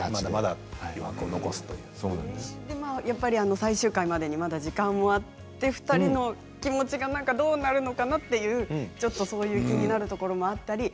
最終回までにまだ時間もあって２人の気持ちがどうなるのかなというちょっとそういう気になるところもあったり。